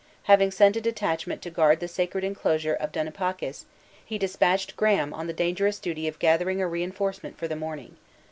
Having sent a detachment to guard the sacred inclosure of Dunipacis, he dispatched Graham on the dangerous duty of gathering a reinforcement for the morning.